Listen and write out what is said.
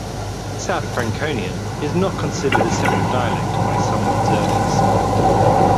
South Franconian is not considered a separate dialect by some observers.